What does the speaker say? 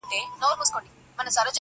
په خپل خیال کي ورڅرګند زرغون جهان سو -